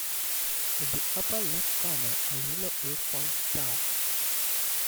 In the upper left corner a yellow eight point star.